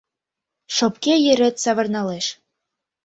Шопке йырет савырналеш.